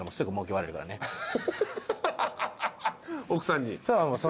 奥さんに？